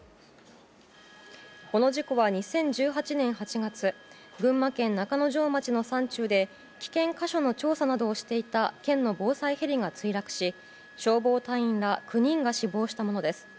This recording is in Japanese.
この事故は２０１８年８月群馬県中之条町の山中で危険箇所の調査などをしていた県の防災ヘリが墜落し消防隊員ら９人が死亡したものです。